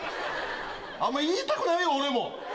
あんま言いたくないよ、俺も。